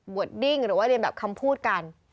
ดิ้งหรือว่าเรียนแบบคำพูดกัน